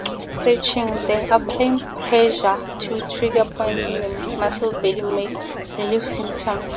Stretching, and applying pressure to trigger points in the muscle belly may relieve symptoms.